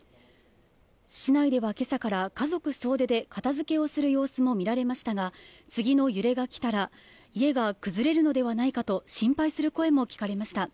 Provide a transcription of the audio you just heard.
市内ではけさから家族総出で片付けをする様子も見られましたが、次の揺れがきたら家が崩れるのではないかと心配する声も聞かれました。